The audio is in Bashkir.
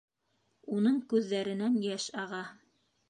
Уның күҙҙәренән йәш аға.